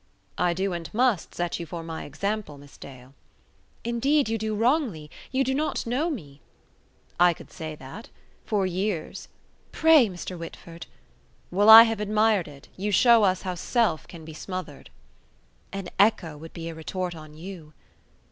"I do and must set you for my example, Miss Dale." "Indeed, you do wrongly; you do not know me." "I could say that. For years ..." "Pray, Mr. Whitford!" "Well, I have admired it. You show us how self can be smothered." "An echo would be a retort on you!"